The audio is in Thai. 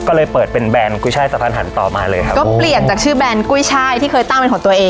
ก็เลยเปิดเป็นแบรนด์กุ้ยช่ายสะพานหันต่อมาเลยครับก็เปลี่ยนจากชื่อแบรนด์กุ้ยช่ายที่เคยตั้งเป็นของตัวเอง